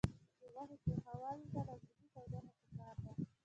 د غوښې پخولو ته لازمي تودوخه پکار ده.